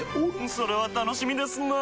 それは楽しみですなぁ。